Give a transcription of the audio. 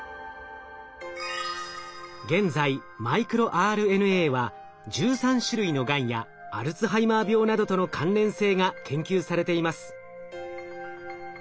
現在マイクロＲＮＡは１３種類のがんやアルツハイマー病などとの関連性が研究されています。